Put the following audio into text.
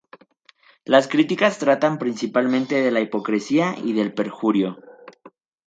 Las críticas tratan principalmente de la hipocresía y del perjurio.